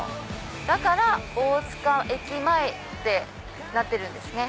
だから「大塚駅前」ってなってるんですね。